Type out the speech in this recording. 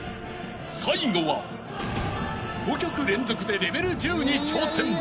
最後は５曲連続でレベル１０に挑戦］